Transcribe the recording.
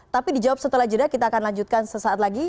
tapi dijawab setelah jeda kita akan lanjutkan sesaat lagi